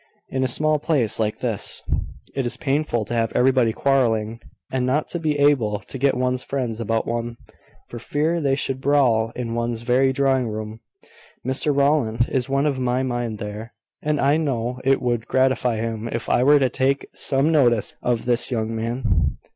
In a small place like this, it is painful to have everybody quarrelling, and not to be able to get one's friends about one, for fear they should brawl in one's very drawing room. Mr Rowland is of my mind there; and I know it would gratify him if I were to take some notice of this young man.